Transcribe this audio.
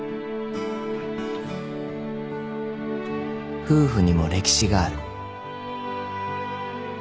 ［夫婦にも歴史がある］